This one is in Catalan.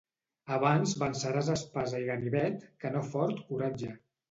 Abans venceràs espasa i ganivet que no fort coratge.